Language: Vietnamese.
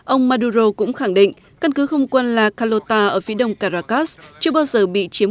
ông maduro cũng khẳng định căn cứ không quân la calota ở phía đông caracas chưa bao giờ bị chiếm